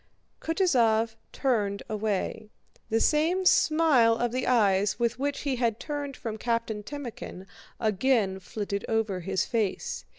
Kutúzov turned away. The same smile of the eyes with which he had turned from Captain Timókhin again flitted over his face.